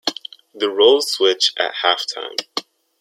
The roles switch at half time.